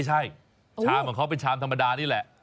ชามเขาเป็นชามธรรมดานี่เเหละ